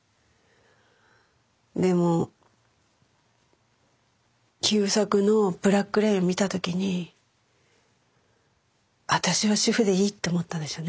でも優作の「ブラック・レイン」を見た時に私は主婦でいいって思ったんですよね